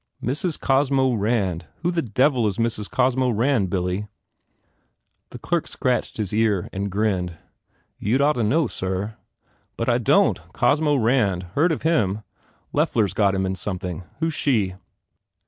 "Mrs. Cosmo Rand. .. Who the devil s Mrs. Cosmo Rand, Billy ?" The clerk scratched his ear and grinned. "You d ought to know, sir." "But I don t. Cosmo Rand? Heard of him. Loeffler s got him in something. Who s she?"